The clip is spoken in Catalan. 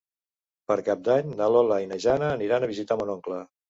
Per Cap d'Any na Lola i na Jana aniran a visitar mon oncle.